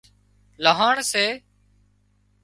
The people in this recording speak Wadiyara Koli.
لانهڻ سي